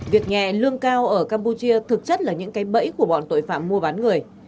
việc nhẹ lương cao ở campuchia thực chất là những cái bẫy của bọn tội phạm mua bán người